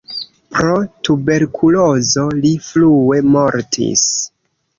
Pro tuberkulozo li frue mortis.